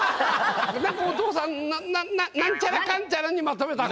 なんかお父さんのなんちゃらかんちゃらにまとめた方が。